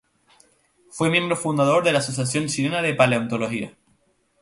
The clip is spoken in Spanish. Fue miembro fundador de la Asociación Chilena de Paleontología.